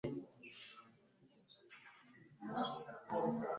yagaragaye kandi yambaye uturindantoki Reba amashusho hano